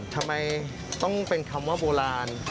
ทำไมต้องเป็นคำว่าโบราณ